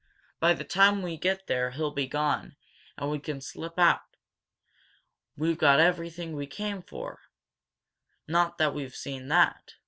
By the time we get there he'll be gone, and we can slip out. We've got everything we came for, not that we've seen that!"